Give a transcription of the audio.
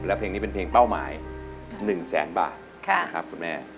แล้วเพลงนี้เป็นเพลงเป้าหมาย๑แสนบาทนะครับคุณแม่